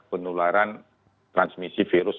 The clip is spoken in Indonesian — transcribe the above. penularan transmisi virus